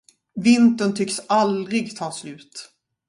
Vintern tycks aldrig ta slut.